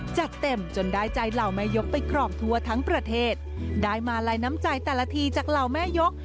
จัดเต็มจนได้ใจเหล่าแม่ยกไปครอบทัวร์ทั้งประเทศได้มาลัยน้ำใจแต่ละทีจากเหล่าแม่ยก